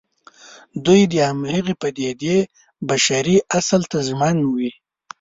دوی د همغې پدېدې بشري اصل ته ژمن وي.